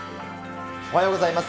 おはようございます。